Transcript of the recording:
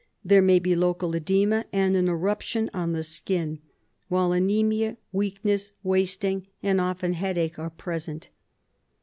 There may be local oedema and an eruption on the skin, while ana^nnia, weakness, wasting and often head ache are present.